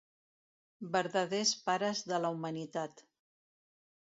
Verdaders Pares de la Humanitat.